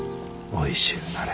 おいしゅうなれ。